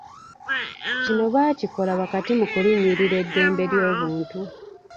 Kino baakikola wakati mu kulinnyirira eddembe ly'obuntu.